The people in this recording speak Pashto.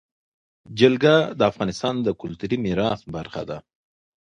جلګه د افغانستان د کلتوري میراث برخه ده.